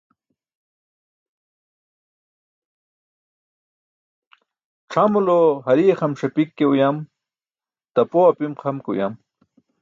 C̣ʰamulo hariye xam ṣapik ke uyam, tapoo apim xam ke uyam.